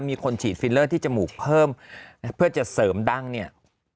มีคนฉีดฟิลเลอร์ที่จมูกเพิ่มเพื่อจะเสริมดั้งเนี่ย